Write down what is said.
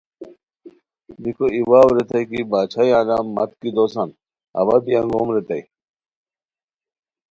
بیکو ای واؤ ریتائے کی باچھائے عالم مت کی دوسان اوا بی انگوم ریتائے